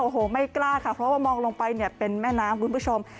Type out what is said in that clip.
โอ้โหไม่กล้าค่ะเพราะว่ามองลงไปเนี่ยเป็นแม่น้ำคุณผู้ชม